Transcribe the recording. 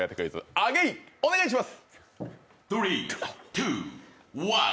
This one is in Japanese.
アゲイン、お願いします。